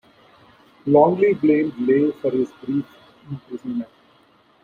Longley blamed Lay for his brief imprisonment.